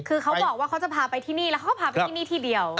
คือเขาบอกว่าเขาจะพาไปที่นี่แล้วเขาก็พาไปที่นี่ที่เดียว